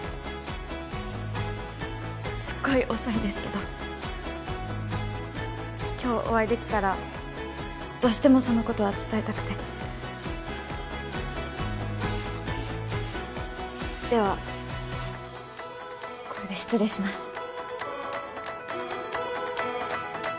すっごい遅いんですけど今日お会いできたらどうしてもそのことは伝えたくてではこれで失礼します